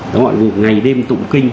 ngày đêm tụng kinh